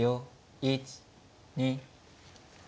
１２。